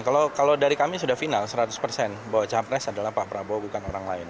kalau dari kami sudah final seratus persen bahwa capres adalah pak prabowo bukan orang lain